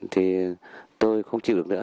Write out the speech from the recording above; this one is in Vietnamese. thì tôi không chịu được nữa